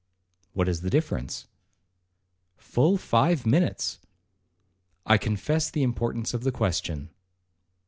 'What is the difference?' 'Full five minutes.' 'I confess the importance of the question.'